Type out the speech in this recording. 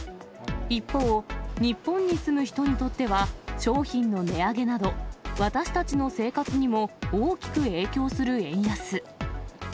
一方、日本に住む人にとっては商品の値上げなど、私たちの生活にも大きく影響する円安。